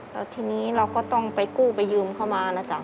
แล้วทีนี้เราก็ต้องไปกู้ไปยืมเข้ามานะจ๊ะ